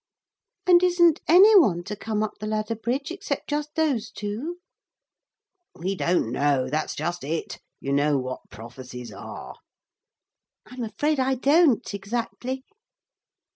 'And isn't any one to come up the ladder bridge except just those two?' 'We don't know; that's just it. You know what prophecies are.' 'I'm afraid I don't exactly.'